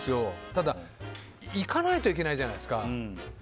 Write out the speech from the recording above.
ただ、行かないといけないじゃないですか。